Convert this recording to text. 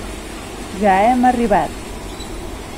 Ja hem arribat.